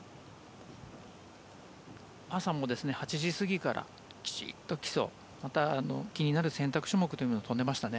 朝も８時過ぎからきちんと基礎また、気になる選択種目を飛んでいましたね。